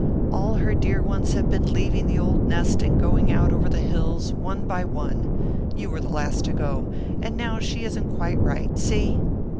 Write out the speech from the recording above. All her dear ones have been leaving the old nest and going out over the hills one by one you were the last to go and now she isn't quite right, see?